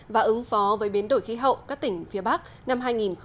và ứng phó với biến đổi khí hậu các tỉnh phía bắc năm hai nghìn một mươi chín